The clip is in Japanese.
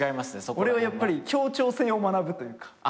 俺はやっぱり協調性を学ぶというか。